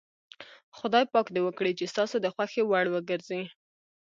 خدای پاک دې وکړي چې ستاسو د خوښې وړ وګرځي.